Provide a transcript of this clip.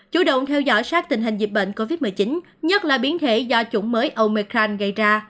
chủ động theo dõi sát tình hình dịch bệnh covid một mươi chín nhất là biến thể do chủng mới omecan gây ra